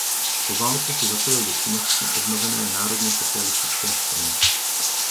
Po válce se zapojil do činnosti obnovené národně socialistické strany.